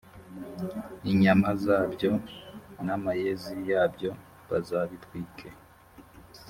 inyama zabyo n amayezi yabyo bazabitwike